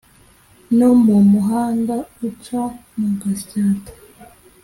no mu muhanda uca mu gasyata